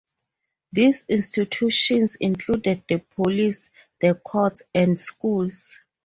These institutions included the police, the courts, and schools.